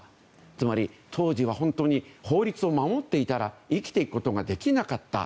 つまり、当時は本当に法律を守っていたら生きていくことができなかった。